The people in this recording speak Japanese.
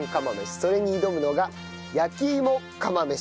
それに挑むのが焼き芋釜飯。